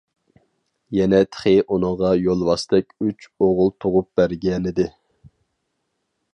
يەنە تېخى ئۇنىڭغا يولۋاستەك ئۈچ ئوغۇل تۇغۇپ بەرگەنىدى.